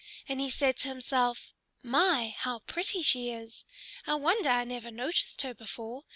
And he said to himself, "My! How pretty she is! I wonder I never noticed her before.